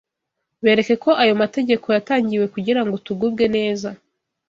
Bereke ko ayo mategeko yatangiwe kugira ngo tugubwe neza